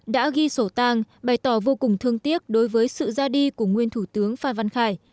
đã ghi sổ tang bày tỏ vô cùng thương tiếc đối với sự ra đi của nguyên thủ tướng phan văn khải